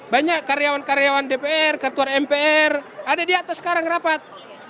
banyak karyawan karyawan dpr ketua mpr ada di atas sekarang rapat